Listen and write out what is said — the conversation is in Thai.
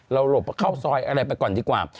หลบเข้าซอยอะไรไปก่อนดีกว่า